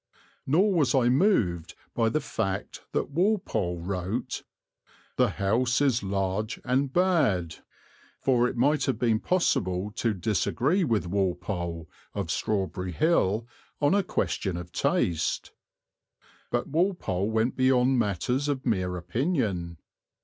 Nor was I moved by the fact that Walpole wrote "the house is large and bad," for it might have been possible to disagree with Walpole, of Strawberry Hill, on a question of taste. But Walpole went beyond matters of mere opinion.